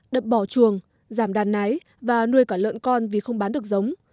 đập bỏ chuồng giảm đàn nái và nuôi cả lợn con vì không bán được giống